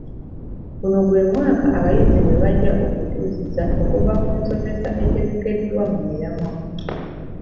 Guno gwe mwaka abayizi mwe bajja okukyusiza okuva ku nsomesa etegekeddwa mu miramwa.